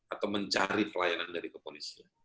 atau mencari pelayanan dari kepolisian